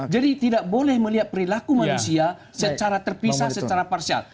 jadi tidak boleh melihat perilaku manusia secara terpisah secara parsial